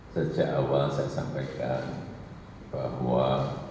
sejak awal saya sampaikan bahwa